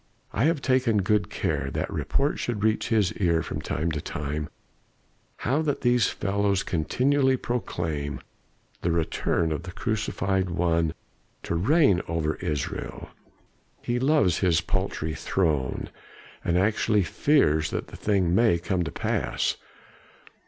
I have taken good care that reports should reach his ear from time to time how that these fellows continually proclaim the return of the crucified one to reign over Israel. He loves his paltry throne, and actually fears that the thing may come to pass.